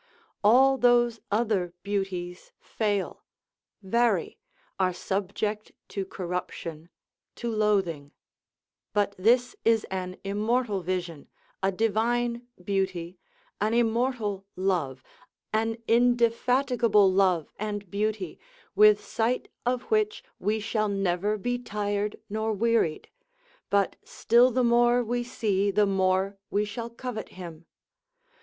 All those other beauties fail, vary, are subject to corruption, to loathing; But this is an immortal vision, a divine beauty, an immortal love, an indefatigable love and beauty, with sight of which we shall never be tired nor wearied, but still the more we see the more we shall covet him.